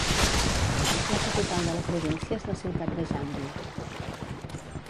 La capital de la província és la ciutat de Jambi.